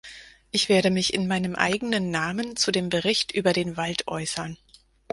Ich werde mich in meinem eigenen Namen zu dem Bericht über den Wald äußern.